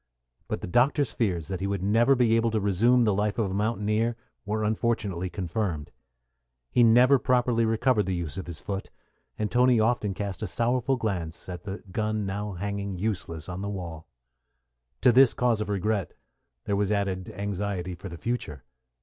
But the doctor's fears that he would never be able to resume the life of a mountaineer were unfortunately confirmed. He never properly recovered the use of his foot; and Toni often cast a sorrowful glance at the gun now hanging useless on the wall. To this cause of regret there was added anxiety for the future.